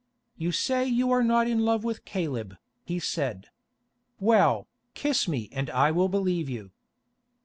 "You say you are not in love with Caleb," he said. "Well, kiss me and I will believe you."